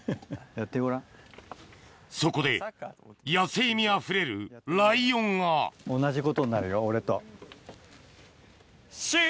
そこで野性味あふれるライオンが同じことになるよ俺と。